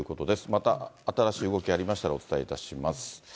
また新しい動きがありましたらお伝えいたします。